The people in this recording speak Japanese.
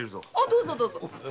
どうぞどうぞ。